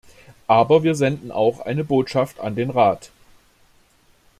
Aber wir senden auch eine Botschaft an den Rat.